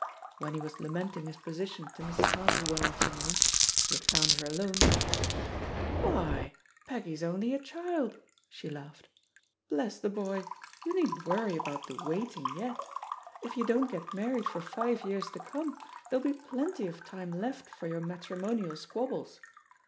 When he was lamenting his position to Mrs. Harper one afternoon — ^he had found her alone — "Why, Peggy's only a child," she laughed. "Bless the boy, you needn't worry about the 'waiting' yet; if you don't get married for five I years to come, there'll be plenty of time left for your matrimonial squabbles.